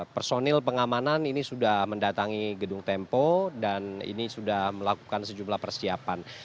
personil pengamanan ini sudah mendatangi gedung tempo dan ini sudah melakukan sejumlah persiapan